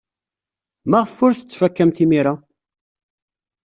Maɣef ur t-tettfakamt imir-a?